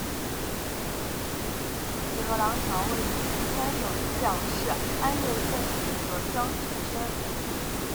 协和廊桥位于四川省资阳市安岳县协和乡九村。